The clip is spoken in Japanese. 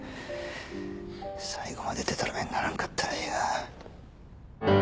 最後まででたらめにならんかったらええが。